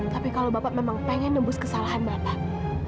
tapi kalau bapak memang pengen nembus kesalahan bapak